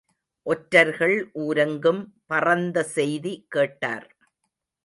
ஒற்றர்கள் ஊரெங்கும் பறந்த செய்தி கேட்டார்.